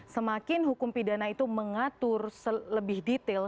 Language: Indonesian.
semakin hukum pidana itu mengatur lebih detail